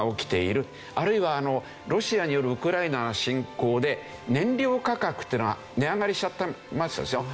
あるいはロシアによるウクライナ侵攻で燃料価格というのは値上がりしちゃってますでしょ。